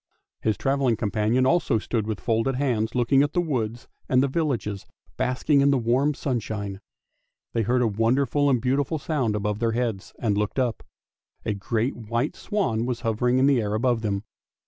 " His travelling companion also stood with folded hands looking at the woods and the villages basking in the warm sunshine. They heard a wonderful and beautiful sound above their heads, and looked up; a great white swan was hovering in the air above them.